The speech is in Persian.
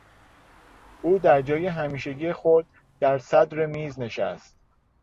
او در جای همیشگی خود در صدر میز نشست.